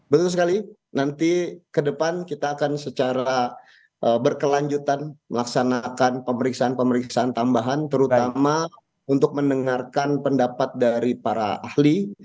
betul sekali nanti ke depan kita akan secara berkelanjutan melaksanakan pemeriksaan pemeriksaan tambahan terutama untuk mendengarkan pendapat dari para ahli